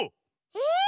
え！